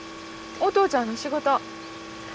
お父ちゃんの仕事。